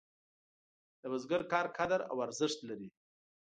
د بزګر کار قدر او ارزښت لري.